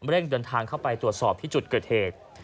เดินทางเข้าไปตรวจสอบที่จุดเกิดเหตุ